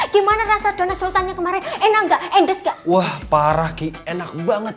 gimana rasa donat sultannya kemarin enak enak enak banget